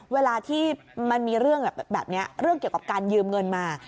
เวลาที่มันมีเรื่องแบบนี้เรื่องเกี่ยวกับการยืมเงินมา